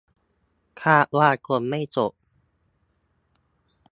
คาดว่าคงไม่จบ -'